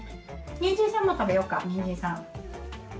にんじんさんも食べようかにんじんさん。